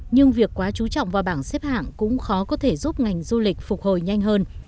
nhưng việc quá chú trọng vào bảng xếp hạng cũng khó có thể giúp ngành du lịch phục hồi nhanh hơn